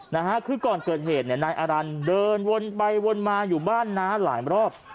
นะฮะคือก่อนเกิดเหตุเนี่ยนายอารันเดินวนไปวนมาอยู่บ้านน้าหลายรอบ